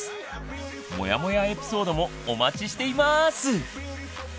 「モヤモヤエピソード」もお待ちしています！